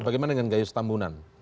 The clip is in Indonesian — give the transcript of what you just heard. bagaimana dengan gayus tambunan